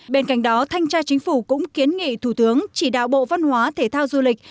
bên cạnh đó thanh tra chính phủ cũng kiến nghị thủ tướng chỉ đạo bộ văn hóa thể thao du lịch